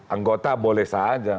anggota boleh saja